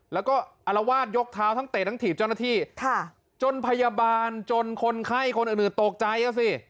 แล้วก็อารวาสยกเท้าทั้งเตะทั้งถีบเจ้าหน้าที่จนพยาบาลจนคนไข้คนอื่นตกใจอ่ะสิ